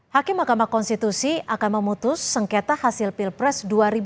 hakim mahkamah konstitusi akan memutus sengketa hasil pilpres dua ribu dua puluh